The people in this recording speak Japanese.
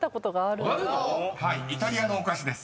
［はいイタリアのお菓子です］